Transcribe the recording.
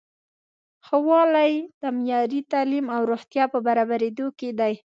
ښه والی د معیاري تعلیم او روغتیا په برابریدو کې دی.